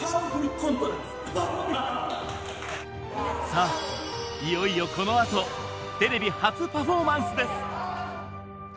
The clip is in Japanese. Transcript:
さあ、いよいよ、このあとテレビ初パフォーマンスです！